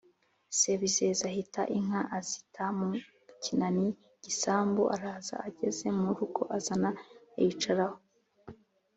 Sebizeze ahita inka azita mu kinani(igisambu) araza, ageze mu rugo azana ayicaraho